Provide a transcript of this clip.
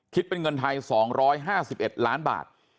คิดเป็นเงินไทย๒๕๑ล้านบาท